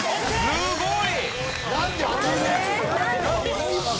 すごい！